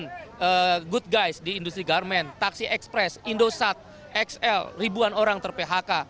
dengan good guys di industri garmen taksi express indosat xl ribuan orang ter phk